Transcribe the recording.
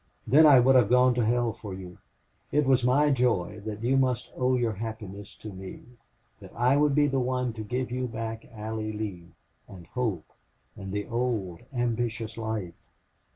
Then I would have gone to hell for you. It was my joy that you must owe your happiness to me that I would be the one to give you back Allie Lee and hope, and the old, ambitious life.